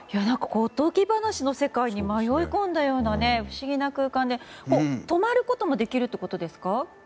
おとぎ話の世界に迷い込んだような不思議な空間で泊まることもできるということですか？